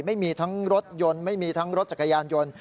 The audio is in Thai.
ไม่มีทั้งรถยนต์ไม่มีทั้งรถจักรยานยนต์